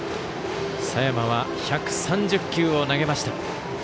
佐山は１３０球を投げました。